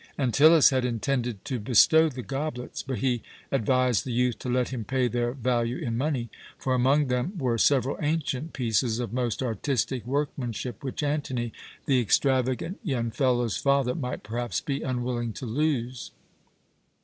Antyllus had intended to bestow the goblets; but he advised the youth to let him pay their value in money, for among them were several ancient pieces of most artistic workmanship, which Antony, the extravagant young fellow's father, might perhaps be unwilling to lose.